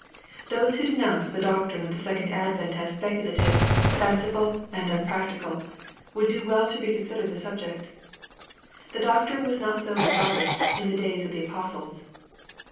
Those who denounce the doctrine of the second advent as speculative, fanciful, and unpractical, would do well to reconsider the subject. The doctrine was not so re garded in the days of the apostles.